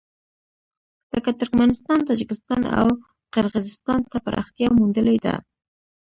لکه ترکمنستان، تاجکستان او قرغېزستان ته پراختیا موندلې ده.